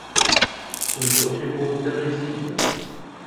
كنت أحبّ مدرّسّيّ.